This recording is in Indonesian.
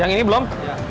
yang ini belum